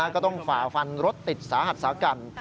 ก็ต้องฝ่าฟันรถติดสาหัสสากัน